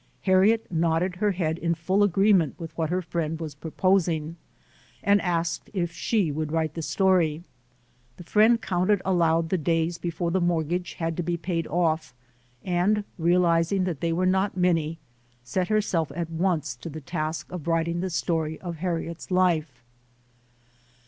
Harriet nodded her head in full agreement with what her friend was proposing and asked if she would write the story. The friend counted aloud the days before the mortgage had to be paid off and, realizing that they were not many, set herself at once to the task of writing the story of Harriet's life.